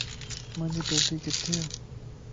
مانجي ٽوپي ڪٿي؟